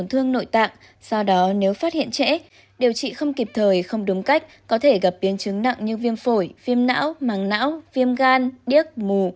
thương nội tạng do đó nếu phát hiện trẻ điều trị không kịp thời không đúng cách có thể gặp biến chứng nặng như viêm phổi viêm não màng não viêm gan điếc mù